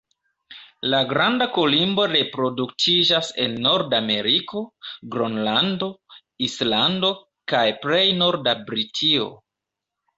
La Granda kolimbo reproduktiĝas en Nordameriko, Gronlando, Islando, kaj plej norda Britio.